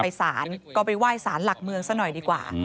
ไปสารก็ไปไหว้สารหลักเมืองซะหน่อยดีกว่า